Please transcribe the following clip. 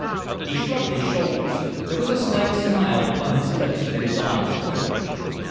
He shrugged his shoulders. There was a slight smile upon his lips and his eyes twinkled.